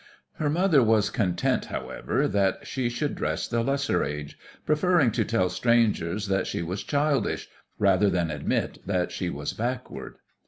Her mother was content, however, that she should dress the lesser age, preferring to tell strangers that she was childish, rather than admit that she was backward.